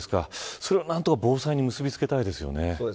それを何とか防災に結びつけたいですね。